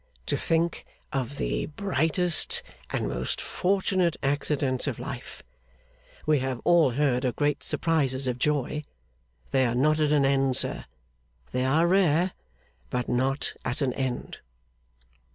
To think of the brightest and most fortunate accidents of life. We have all heard of great surprises of joy. They are not at an end, sir. They are rare, but not at an end.